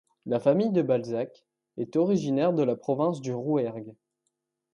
La famille de Balsac est originaire de la province du Rouergue.